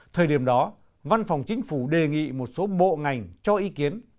thời điểm đó văn phòng chính phủ đề nghị một số bộ ngành cho ý kiến